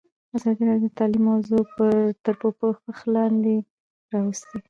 ازادي راډیو د تعلیم موضوع تر پوښښ لاندې راوستې.